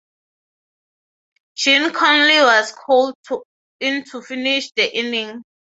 Gene Conley was called in to finish the inning.